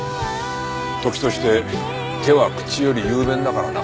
時として手は口より雄弁だからな。